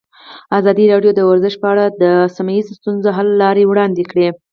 ازادي راډیو د ورزش په اړه د سیمه ییزو ستونزو حل لارې راوړاندې کړې.